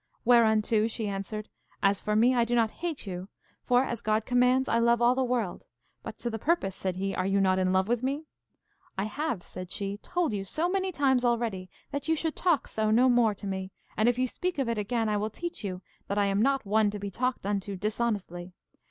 Whereunto she answered, As for me, I do not hate you; for, as God commands, I love all the world. But to the purpose, said he; are not you in love with me? I have, said she, told you so many times already that you should talk so no more to me, and if you speak of it again I will teach you that I am not one to be talked unto dishonestly.